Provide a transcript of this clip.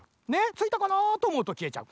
ついたかなとおもうときえちゃう。